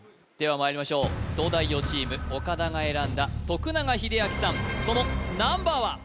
ではまいりましょう東大王チーム岡田が選んだ永英明さんそのナンバーは？